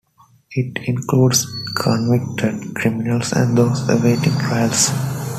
It includes convicted criminals and those awaiting trials.